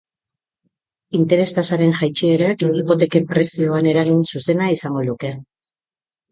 Interes tasaren jaitsierak hipoteken prezioan eragin zuzena izango luke.